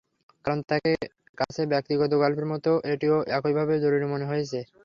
কারণ তাঁর কাছে ব্যক্তিগত গল্পের মতো এটিও একইভাবে জরুরি মনে হয়েছে।